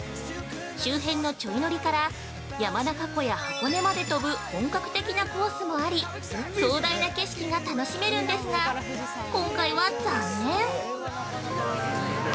周辺のちょい乗りから山中湖や箱根まで飛ぶ本格的なコースもあり壮大な景色が楽しめるんですが今回は残念。